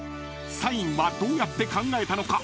［サインはどうやって考えたのか］